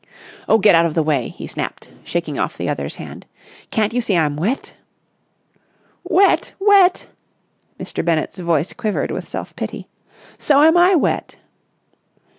"Oh, get out of the way!" he snapped, shaking off the other's hand. "Can't you see I'm wet?" "Wet! Wet!" Mr. Bennett's voice quivered with self pity. "So am I wet!"